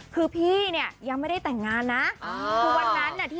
คือพี่เนี่ยยังไม่ได้แต่งงานนะ